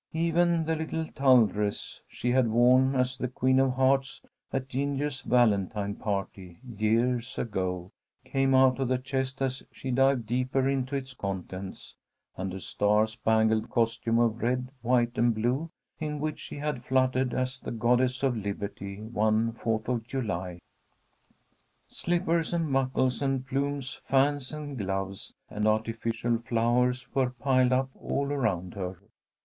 Even the little tulle dress she had worn as the Queen of Hearts at Ginger's Valentine party, years ago, came out of the chest as she dived deeper into its contents, and a star spangled costume of red, white, and blue, in which she had fluttered as the Goddess of Liberty one Fourth of July. Slippers and buckles and plumes, fans and gloves and artificial flowers, were piled up all around her.